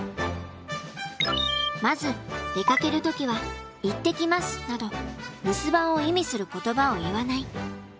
まず出かける時は「行ってきます」など留守番を意味する言葉を言わない。